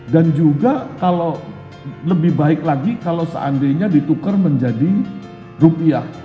dan juga kalau lebih baik lagi kalau seandainya ditukar menjadi rupiah